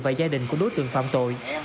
và gia đình của đối tượng phạm tội